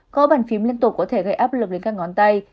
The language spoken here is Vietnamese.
có bàn phím liên tục có thể gây áp lực đến các ngón tay